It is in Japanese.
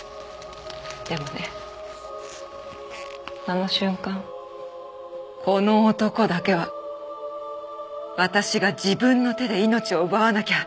でもねあの瞬間「この男だけは私が自分の手で命を奪わなきゃ」。